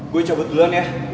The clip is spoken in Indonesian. gue cabut duluan ya